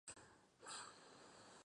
Appleton Et al.